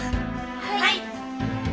はい。